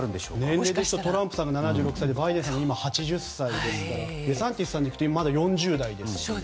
年齢でトランプさんが７６歳でバイデンさんが８０歳ということでデサンティスさんでいくとまだ４０代ですし。